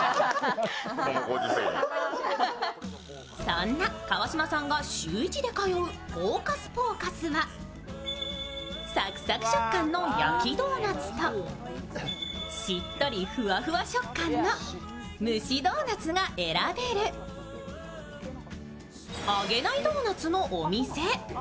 そんな川島さんが週１で通うＨＯＣＵＳＰＯＣＵＳはサクサク食感の焼きドーナツとしっとりふわふわ食感の蒸しドーナツが選べる揚げないドーナツのお店。